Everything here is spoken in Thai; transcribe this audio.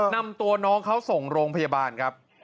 นำตัวน้องเขาส่งโรงพยาบาลครับ